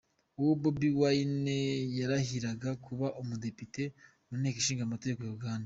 Ubwo Bobi Wine yarahiriraga kuba umudepite mu Nteko Nshingamategeko ya Uganda.